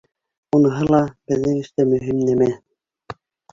— Уныһы ла беҙҙең эштә мөһим нәмә